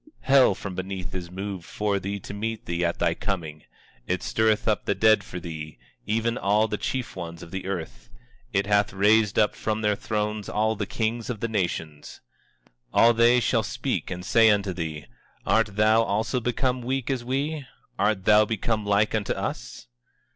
24:9 Hell from beneath is moved for thee to meet thee at thy coming; it stirreth up the dead for thee, even all the chief ones of the earth; it hath raised up from their thrones all the kings of the nations. 24:10 All they shall speak and say unto thee: Art thou also become weak as we? Art thou become like unto us?